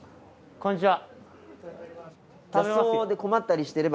こんにちは。